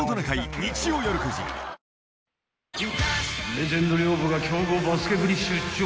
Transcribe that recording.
［レジェンド寮母が強豪バスケ部に出張］